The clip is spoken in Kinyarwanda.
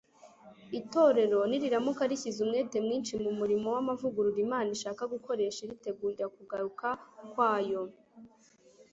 itorero niriramuka rishyize umwete mwinshi mu murimo w'amavugurura imana ishaka gukoresha iritegurira kugaruka kwayo